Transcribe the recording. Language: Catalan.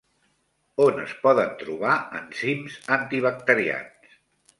On es poden trobar enzims antibacterians?